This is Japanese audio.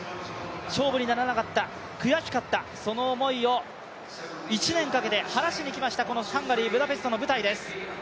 勝負にならなかった悔しかったその思いを１年かけて晴らしにきました、このハンガリー・ブダペストの舞台です。